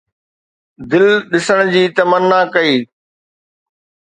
دل ڏسڻ جي تمنا ڪئي